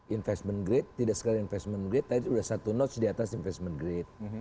investment grade tidak sekali investment grade tapi sudah satu notes di atas investment grade